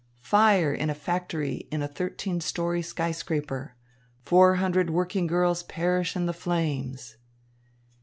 "Fire in a factory in a thirteen story skyscraper. Four hundred working girls perish in the flames."